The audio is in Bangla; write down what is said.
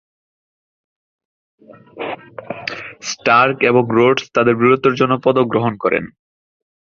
স্টার্ক এবং রোডস তাদের বীরত্বের জন্য পদক গ্রহণ করে।